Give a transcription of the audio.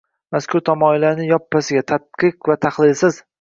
Mazkur tamoyillarni yoppasiga – tadqiq va tahlilsiz